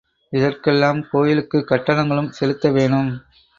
இதற்கெல்லாம் கோவிலுக்கு கட்டணங்களும் செலுத்த வேணும்.